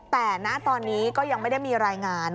แต่ณตอนนี้ก็ยังไม่ได้มีรายงาน